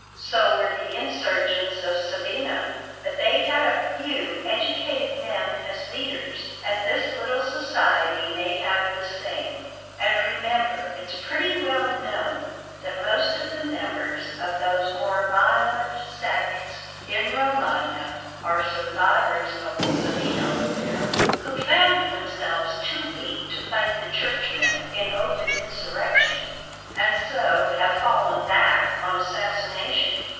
"So were the insurgents of Savigno; but they had a few educated men as leaders, and this little society may have the same. And remember, it's pretty well known that most of the members of those more violent sects in the Romagna are survivors of the Savigno affair, who found themselves too weak to fight the Churchmen in open insurrection, and so have fallen back on assassination.